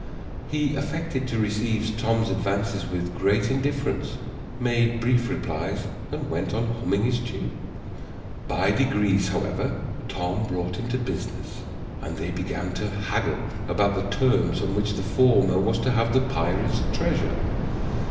He affected to receive Tom's advances with great indifference, made brief replies, and went on humming his tune. By degrees, however, Tom brought him to business, and they began to haggle about the terms on which the former was to have the pirate's treasure.